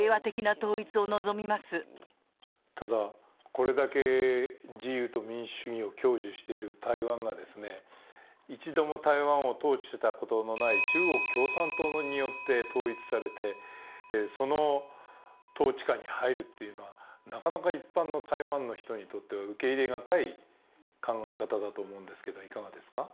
これだけ自由と民主主義を教授している台湾が一度も台湾を統治してたことない中国共産党によって統一されてその統治下に入るっていうのは、なかなか一般の台湾の人にとっては受け入れがたい考え方だと思うんですけれども、いかがですか？